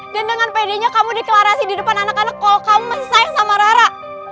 dan dengan pedenya kamu deklarasi di depan anak anak kalau kamu masih sayang sama rara